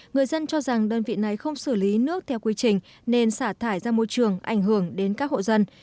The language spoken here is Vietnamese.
người dân cho rằng đơn vị này không xử lý nước theo quy trình nên xả thải ra môi trường ảnh hưởng đến các hộ dân